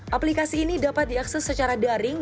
aplikasi ini dapat diakses secara daring